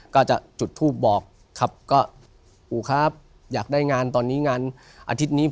ก็จะจุดทูปบอกครับก็อู๋ครับอยากได้งานตอนนี้งานอาทิตย์นี้